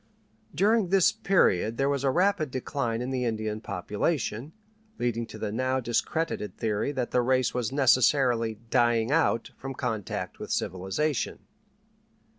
During this period there was a rapid decline in the Indian population, leading to the now discredited theory that the race was necessarily "dying out" from contact with civilization.